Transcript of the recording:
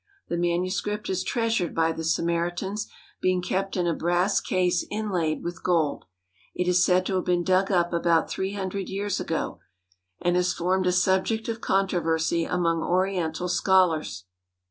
The manuscript is treasured by the Samaritans, being kept in a brass case inlaid with gold. It is said to have been dug up about three hundred years ago, and has formed a subject of controversy among oriental scholars.